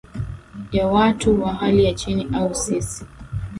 ya watu wa hali ya chini aa sisi